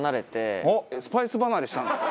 スパイス離れしたんですか？